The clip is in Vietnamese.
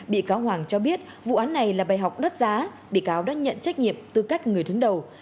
bị cáo hoàng cho biết vụ án này là bài học đắt giá bị cáo đã nhận trách nhiệm tư cách người đứng đầu